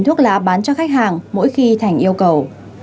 thuốc lá bán cho khách hàng mỗi khi thành yêu cầu